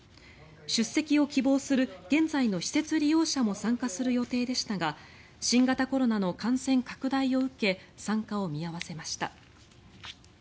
出席を希望する現在の施設利用者も参加する予定でしたが新型コロナの感染拡大を受け参加を見合わせました。